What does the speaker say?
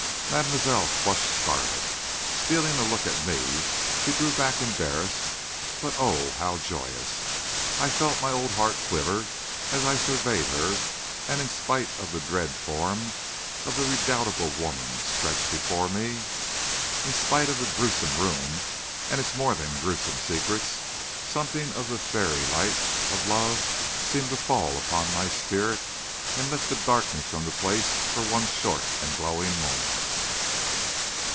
Mademoiselle flushed scarlet. Stealing a look at me, she drew back embarrassed, but oh! how joyous. I felt my old heart quiver as I surveyed her, and in spite of the dread form of the redoubtable woman stretched before me, in spite of the grewsome room and its more than grewsome secrets, something of the fairy light of love seemed to fall upon my spirit and lift the darkness from the place for one short and glowing moment.